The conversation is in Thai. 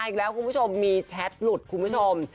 อีกแล้วคุณผู้ชมมีแชทหลุดคุณผู้ชม